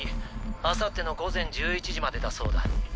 あさっての午前１１時までだそうだ。